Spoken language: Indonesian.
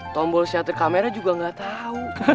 tombol shutter kamera juga gak tau